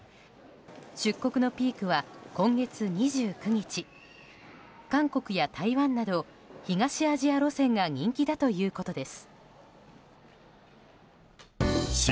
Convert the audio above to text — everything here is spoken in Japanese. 出国のピークは今月２９日韓国や台湾など東アジア路線が人気だということです。